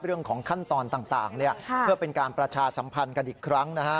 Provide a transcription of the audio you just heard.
เรื่องของขั้นตอนต่างเพื่อเป็นการประชาสัมพันธ์กันอีกครั้งนะฮะ